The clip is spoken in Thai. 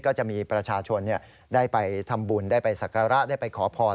ก็จะมีประชาชนได้ไปทำบุญได้ไปสักการะได้ไปขอพร